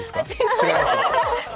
違います？